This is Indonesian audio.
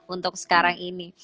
untuk sekarang ini